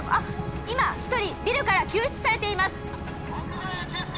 今１人ビルから救出されています。